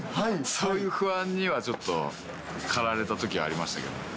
そういう不安にはちょっと駆られたときありますけどね。